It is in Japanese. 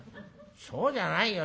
そうじゃないよ。